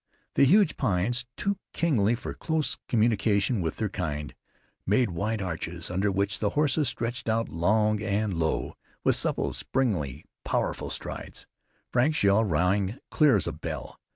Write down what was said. The huge pines, too kingly for close communion with their kind, made wide arches under which the horses stretched out long and low, with supple, springy, powerful strides. Frank's yell rang clear as a bell.